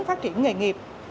phát triển nghề nghiệp